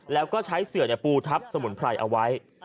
แล้วก็ใช้เสือปูทับสมุนไพรเอาไว้